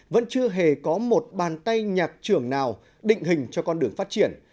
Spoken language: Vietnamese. vẫn chưa hề có một bàn tay nhạc trưởng nào định hình cho con đường phát triển